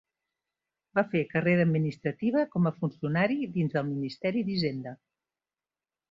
Va fer carrera administrativa com a funcionari dins del Ministeri d'Hisenda.